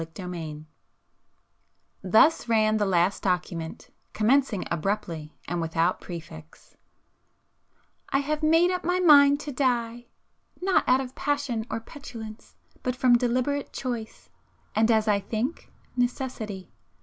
[p 399]XXXV Thus ran the 'last document,' commencing abruptly and without prefix;— "I have made up my mind to die. Not out of passion or petulance,—but from deliberate choice, and as I think, necessity.